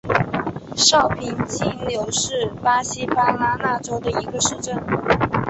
绍平济纽是巴西巴拉那州的一个市镇。